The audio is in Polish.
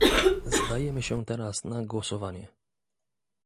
Zdajemy się teraz na głosowanie